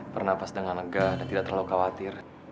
bernafas dengan lega dan tidak terlalu khawatir